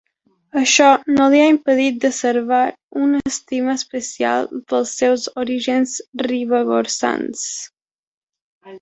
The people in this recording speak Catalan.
Això no li ha impedit de servar una estima especial pels seus orígens ribagorçans.